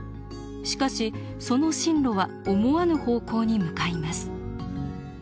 しかしその進路は思わぬ方向に向かいます。